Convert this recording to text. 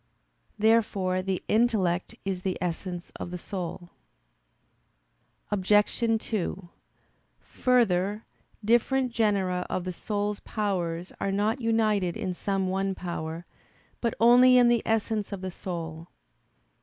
Therefore the intellect is the essence of the soul. Obj. 2: Further, different genera of the soul's powers are not united in some one power, but only in the essence of the soul.